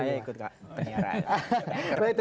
saya ikut gak penyiaran